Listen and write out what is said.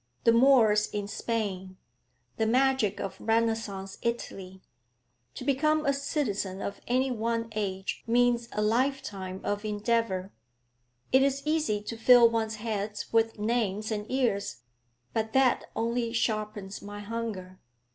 the Moors in Spain, the magic of Renaissance Italy to become a citizen of any one age means a lifetime of endeavour. It is easy to fill one's head with names and years, but that only sharpens my hunger.